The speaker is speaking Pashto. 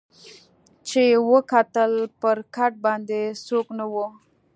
چي یې وکتل پر کټ باندي څوک نه وو